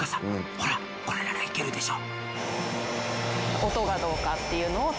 ほらこれならいけるでしょ？